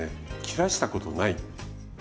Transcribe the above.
切らしたことない。